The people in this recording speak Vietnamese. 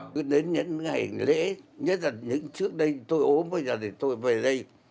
cứ đến những ngày lễ nhất là những trước đây tôi ốm bây giờ thì tôi về đây